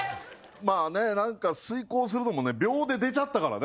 まあねなんか推考するのもね秒で出ちゃったからね。